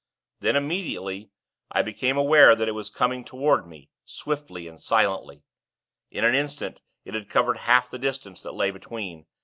Then, immediately, I became aware that it was coming toward me, swiftly and silently. In an instant, it had covered half the distance that lay between.